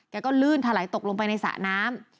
ก็ลื่นถลายตกลงไปในสระน้ำ